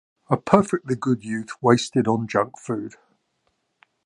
A perfectly good youth wasted on junk food!